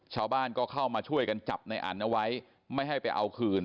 ชาวบ้านก็เข้ามาช่วยกันจับในอันเอาไว้ไม่ให้ไปเอาคืน